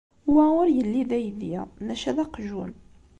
Wa ur yelli d aydi, maca d aqjun.